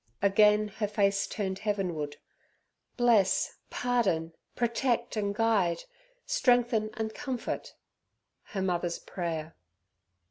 Again her face turned heavenward! "Bless, pardon, protect and guide, strengthen and comfort!" Her mother's prayer.